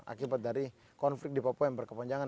akibat dari konflik di papua yang berkepanjangan